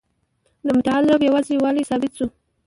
د متعال رب یوازي والی ثابت سو.